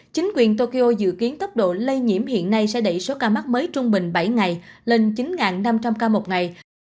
chính quyền tokyo dự kiến tốc độ lây nhiễm hiện nay sẽ đẩy số ca mắc mới trung bình bảy ngày lên chín năm trăm linh ca một ngày